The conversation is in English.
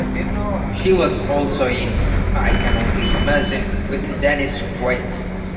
She was also in "I Can Only Imagine" with Dennis Quaid.